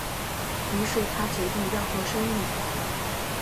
於是他决定要做生意